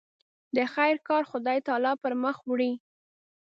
د خیر کار خدای تعالی پر مخ وړي.